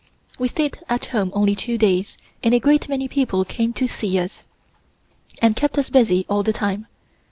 We stayed at home only two days and a great many people came to see us, and kept us busy all the time.